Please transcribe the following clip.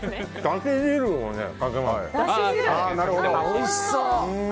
おいしそう。